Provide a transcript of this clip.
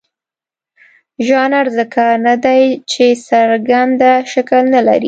ژانر ځکه نه دی چې څرګند شکل نه لري.